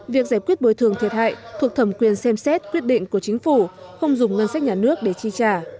việc giải quyết bồi thường thiệt hại thuộc thẩm quyền xem xét quyết định của chính phủ không dùng ngân sách nhà nước để chi trả